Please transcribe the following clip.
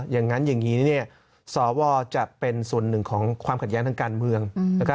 อย่างนี้สวจะเป็นส่วนหนึ่งของความขัดแย้งทางการเมือง